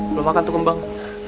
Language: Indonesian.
belum makan tuh kembang